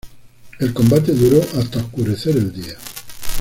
El combate duró hasta oscurecer el día.